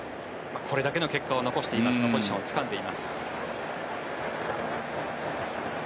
これだけの結果を残してポジションをつかんでいます。